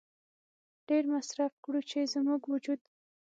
ډېر مصرف کړو چې زموږ وجود